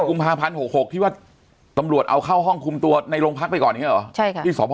กุมภาพันธ์๖๖ที่ว่าตำรวจเอาเข้าห้องคุมตัวในโรงพักไปก่อนอย่างนี้หรอ